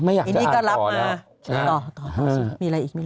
ไม่อยากจะอ่านต่อแล้วนี่ก็รับมาต่อมีอะไรอีก